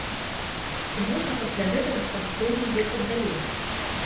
Ці можна пасля гэтага спакойна ехаць далей?